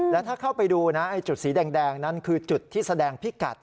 แล้วถ้าเข้าไปดูนะจุดสีแดงนั้นคือจุดที่แสดงพิกัด